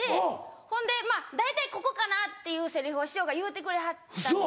ほんで大体ここかなっていうセリフを師匠が言うてくれはったんです。